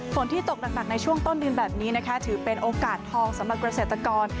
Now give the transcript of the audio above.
ฝนตกหนักในช่วงต้นเดือนแบบนี้นะคะถือเป็นโอกาสทองสำหรับเกษตรกร